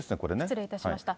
失礼いたしました。